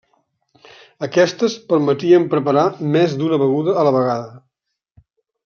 Aquestes permetien preparar més d'una beguda a la vegada.